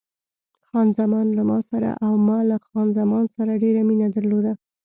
خان زمان له ما سره او ما له خان زمان سره ډېره مینه درلوده.